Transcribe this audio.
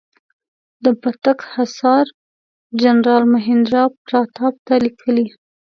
د پتک حصار جنرال مهیندراپراتاپ ته لیکلي.